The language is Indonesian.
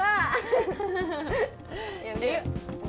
ayo berdua yuk